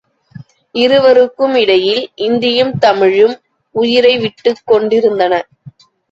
இருவருக்கும் இடையில் இந்தியும் தமிழும் உயிரை விட்டுக் கொண்டிருந்தன.